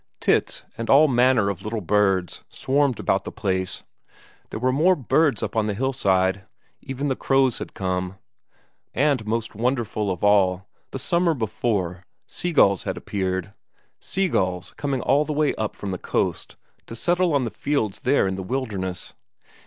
Tits and all manner of little birds swarmed about the place; there were more birds up on the hillside; even the crows had come. And most wonderful of all, the summer before, seagulls had appeared, seagulls coming all the way up from the coast to settle on the fields there in the wilderness.